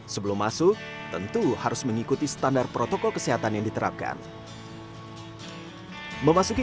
sebelum masuk tentu harus mengikuti standar protokol kesehatan yang diterapkan memasuki